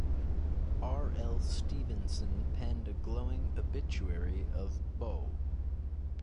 R. L. Stevenson penned a glowing obituary of Bough.